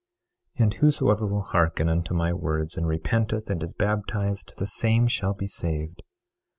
23:5 And whosoever will hearken unto my words and repenteth and is baptized, the same shall be saved.